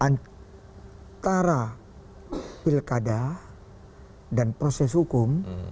antara pilkada dan proses hukum